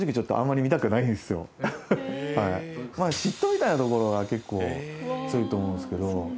嫉妬みたいなところが結構強いと思うんですけど。